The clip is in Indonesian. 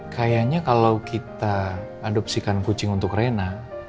kayanya kalau kita adopsikan kucing untuk renna